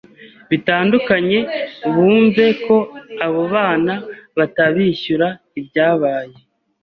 bitandukanye bumve ko abo bana batabishyura ibyabaye,